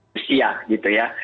rusia gitu ya